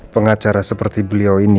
pengacara seperti beliau ini